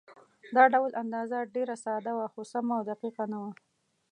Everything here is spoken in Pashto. دا ډول اندازه ډېره ساده وه، خو سمه او دقیقه نه وه.